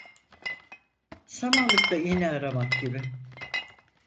Samanlıkta iğne aramak gibi.